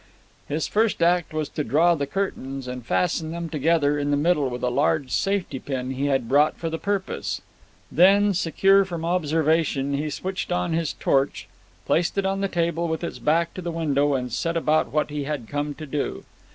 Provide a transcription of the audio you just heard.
His first act was to draw the curtains, and to fasten them together in the middle with a large safety pin he had brought for the purpose. Then, secure from observation, he switched on his torch, placed it on the table with its back to the window, and set about what he had come to do.